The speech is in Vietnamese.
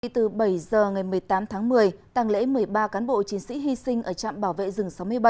từ bảy giờ ngày một mươi tám tháng một mươi tàng lễ một mươi ba cán bộ chiến sĩ hy sinh ở trạm bảo vệ rừng sáu mươi bảy